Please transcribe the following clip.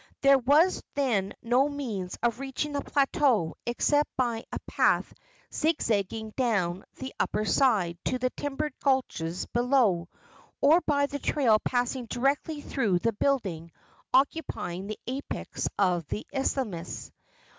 There was then no means of reaching the plateau except by a path zigzagging down the upper side to the timbered gulches beyond, or by the trail passing directly through the building occupying the apex of the isthmus.